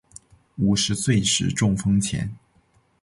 五十岁时中风前